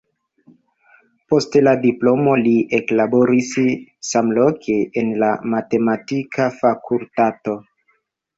Post la diplomo li eklaboris samloke en la matematika fakultato.